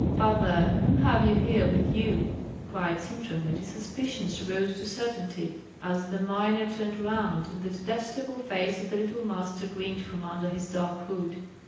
"Father, whom have you here with you?" cried Sintram; and his suspicions rose to certainty as the miner turned round, and the detestable face of the little Master grinned from under his dark hood.